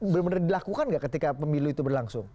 benar benar dilakukan nggak ketika pemilu itu berlangsung